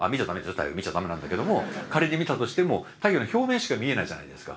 太陽見ちゃダメなんだけども仮に見たとしても太陽の表面しか見えないじゃないですか。